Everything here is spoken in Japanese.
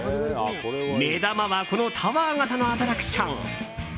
目玉はこのタワー型のアトラクション。